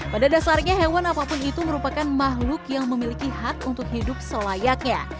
pada dasarnya hewan apapun itu merupakan makhluk yang memiliki hak untuk hidup selayaknya